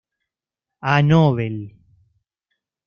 A novel".